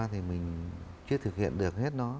thì mình chưa thực hiện được hết nó